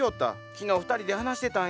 昨日２人で話してたんや。